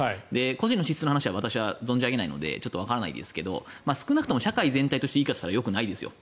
個人の資質の話は存じ上げないのでわからないですが少なくとも社会全体としていいかと言ったらよくないですよ